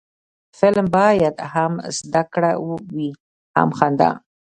فلم باید هم زده کړه وي، هم خندا